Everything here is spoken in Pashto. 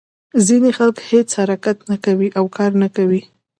ځینې خلک هېڅ حرکت نه کوي او کار نه کوي.